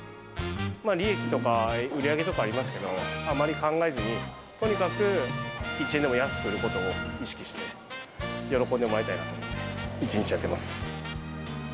利益とか、売り上げとかありますけど、あまり考えずに、とにかく１円でも安く売ることを意識して、喜んでもらいたいなと思って、一日やっています。